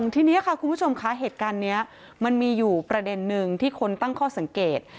ทีนี้ค่ะคุณผู้ชมคะเหตุการณ์นี้มันมีอยู่ประเด็นนึงที่คนตั้งข้อสังเกต